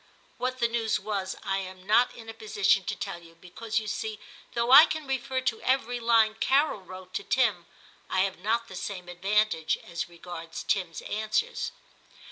(What the news was I am not in a position to tell you, because, you see, though I can refer to every line Carol wrote to Tim, I have not the same advantage as regards Tim's answers.)